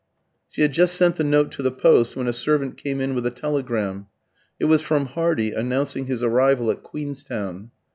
She had just sent the note to the post, when a servant came in with a telegram. It was from Hardy, announcing his arrival at Queenstown.